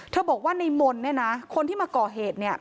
บอกว่าในมนต์เนี่ยนะคนที่มาก่อเหตุเนี่ย